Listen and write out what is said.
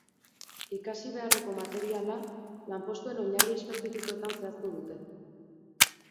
Ikasi beharreko materiala lanpostuen oinarri espezifikoetan zehaztu dute.